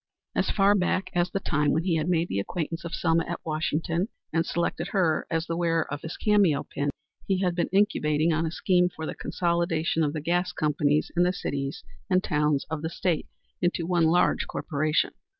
As far back as the time when he made the acquaintance of Selma at Washington and selected her as the wearer of his cameo pin, he had been incubating on a scheme for the consolidation of the gas companies in the cities and towns of the state into one large corporation.